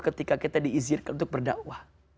ketika kita diizinkan untuk berdakwah